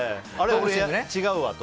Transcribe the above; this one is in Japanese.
違うわと。